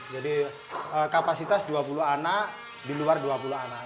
jadi kapasitas dua puluh anak di luar dua puluh anak